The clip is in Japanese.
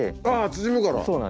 縮むから。